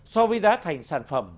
so với giá thành sản phẩm